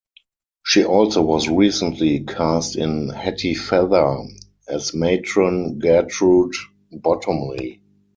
She also was recently cast in "Hetty Feather" as Matron Gertrude Bottomly.